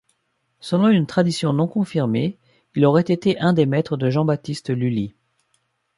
Selon une tradition non confirmée, il aurait été un des maîtres de Jean-Baptiste Lully.